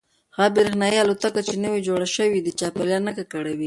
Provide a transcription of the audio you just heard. هغه برېښنايي الوتکې چې نوې جوړې شوي دي چاپیریال نه ککړوي.